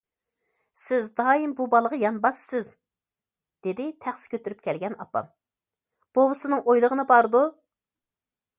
- سىز دائىم بۇ بالىغا يان باسىسىز،- دېدى تەخسە كۆتۈرۈپ كەلگەن ئاپام،- بوۋىسىنىڭ ئويلىغىنى باردۇ.